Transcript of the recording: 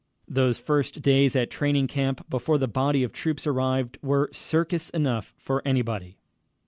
Those first days at training camp, before the body of the troops arrived, were circus enough for anybody.